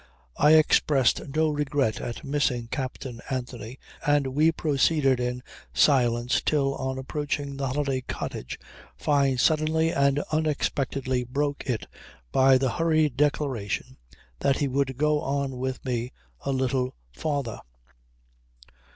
I expressed no regret at missing Captain Anthony and we proceeded in silence till, on approaching the holiday cottage, Fyne suddenly and unexpectedly broke it by the hurried declaration that he would go on with me a little farther.